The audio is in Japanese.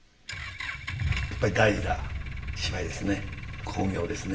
やっぱり大事な芝居ですね。